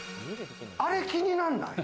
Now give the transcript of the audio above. あれ、気になんない？